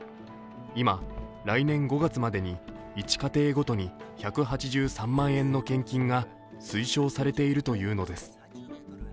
今、来年５月までに一家庭ごとに１８３万円の献金が推奨されているというのです。